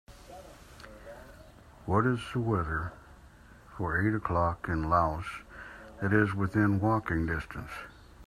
What is the weather for eight o'clock in Laos that is within walking distance